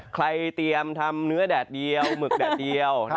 เตรียมทำเนื้อแดดเดียวหมึกแดดเดียว